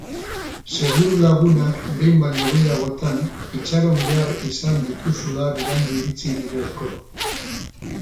Seguru lagunak behin baino gehiagotan itxaron behar izan dituzula berandu iritsi direlako.